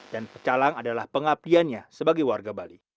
dan pecalang adalah pengabdiannya sebagai warga bali